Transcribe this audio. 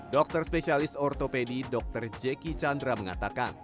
dokter spesialis ortopedi dr jeki chandra mengatakan